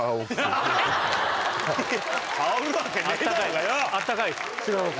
羽織るわけねえだろうがよ！